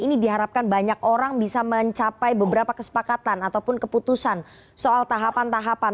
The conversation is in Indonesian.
ini diharapkan banyak orang bisa mencapai beberapa kesepakatan ataupun keputusan soal tahapan tahapan